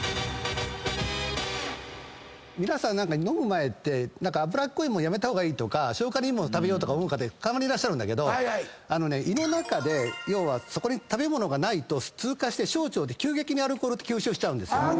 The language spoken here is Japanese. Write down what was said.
皆さん飲む前って脂っこい物やめた方がいいとか消化にいい物食べようとか思う方たまにいらっしゃるんだけど胃の中で要はそこに食べ物がないと通過して小腸で急激にアルコールって吸収しちゃうんですよ。